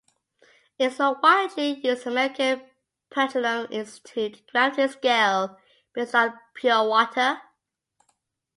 Is the widely used American Petroleum Institute gravity scale based on pure water?